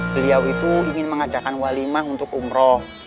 beliau itu ingin mengadakan walimah untuk umroh